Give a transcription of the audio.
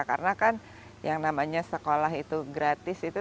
karena kan yang namanya sekolah itu gratis itu